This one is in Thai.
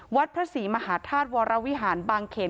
วัดพระศรีมหาธาตุวรวิหารบางเขน